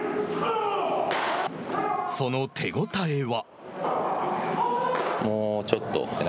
その手応えは？